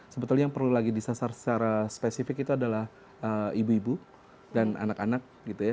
sebetulnya yang perlu lagi disasar secara spesifik itu adalah ibu ibu dan anak anak gitu ya